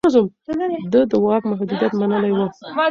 ده د واک محدوديت منلی و.